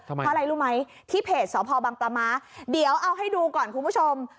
เพราะอะไรรู้ไหมที่เพจสพบังปลาม้าเดี๋ยวเอาให้ดูก่อนคุณผู้ชม